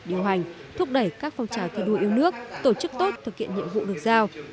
điều hành thúc đẩy các phong trào thi đua yêu nước tổ chức tốt thực hiện nhiệm vụ được giao